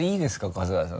春日さん。